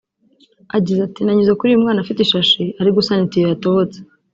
Agize ati" Nanyuze kuri uyu mwana afite ishashi ari gusana itiyo yatobotse